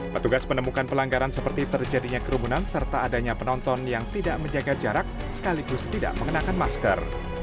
petugas menemukan pelanggaran seperti terjadinya kerumunan serta adanya penonton yang tidak menjaga jarak sekaligus tidak mengenakan masker